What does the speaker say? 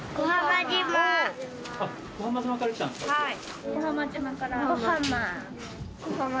はい。